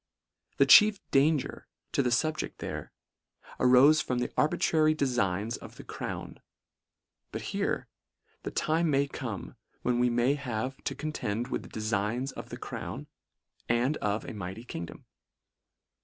The chief danger to the fubjedr. there, a rofe from the arbitrary defigns of the crown ; but here, the time may come, when we may have to contend with the deligns of the crown, and of a mighty kingdom.